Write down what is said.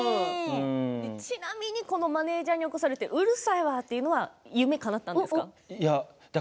ちなみにマネージャーに起こされてうるさいわっていう夢、かなえましたか。